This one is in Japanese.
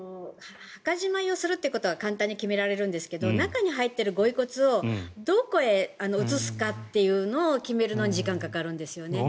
墓じまいをするということは簡単に決められるんですけど中に入っているご遺骨をどこへ移すかっていうのを決めるのに時間がかかるんですよね。